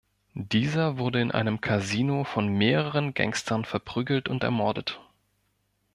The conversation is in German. Dieser wurde in einem Casino von mehreren Gangstern verprügelt und ermordet.